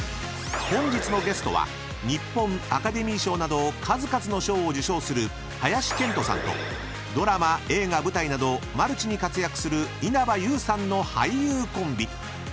［本日のゲストは日本アカデミー賞など数々の賞を受賞する林遣都さんとドラマ映画舞台などマルチに活躍する稲葉友さんの俳優コンビ］